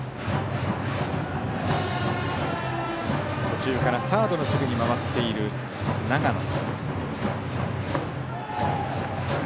途中からサードの守備に回っている永野。